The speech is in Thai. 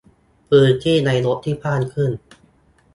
- พื้นที่ในรถที่กว้างขึ้น